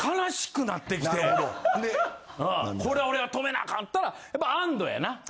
これは俺は止めなアカンったらやっぱ安堵やな。